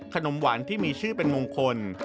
ขนมหวานที่มีชื่อเป็นมงคล